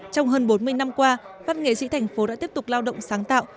trong hơn bốn mươi năm qua văn nghệ sĩ thành phố đã tiếp tục lao động sáng tạo